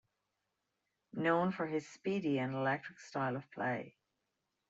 Known for his speedy and electric style of play.